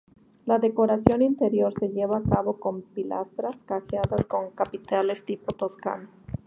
La decoración interior se lleva a cabo con pilastras cajeadas con capiteles tipo toscano.